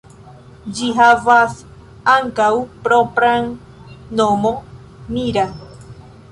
Ĝi havas ankaŭ propran nomo "Mira".